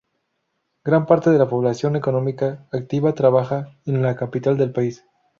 Gran parte de la población económicamente activa trabaja en la capital del país.